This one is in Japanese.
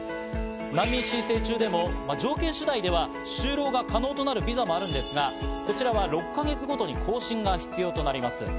難民申請中でも条件次第では就労が可能となるビザもあるんですが、こちらは６か月ごとに更新が必要となります。